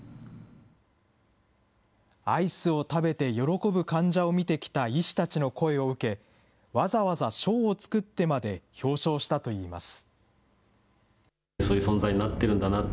アイスを食べて喜ぶ患者を見てきた医師たちの声を受け、わざわざ賞を作ってまで表彰したといいます。